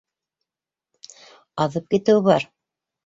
Аҙып китеүе бар.